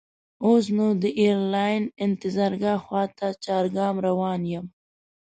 اوس نو د ایرلاین انتظارګاه خواته چارګام روان یم.